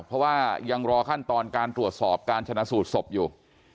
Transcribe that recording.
เพราะว่ายังรอขั้นตอนการตรวจสอบการชนะสูตรศพอยู่